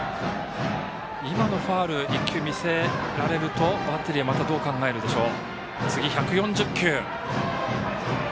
今のファウル１球、見せられるとバッテリーはどう考えるでしょう。